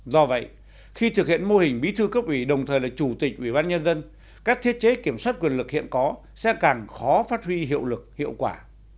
do vậy khi thực hiện mô hình bí thư cấp ủy đồng thời là chủ tịch ủy ban nhân dân các thiết chế kiểm soát quyền lực hiện có sẽ càng khó phát huy hiệu lực hiệu quả